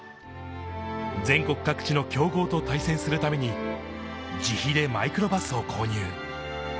全国各地の強豪と対戦するために、自費でマイクロバスを購入。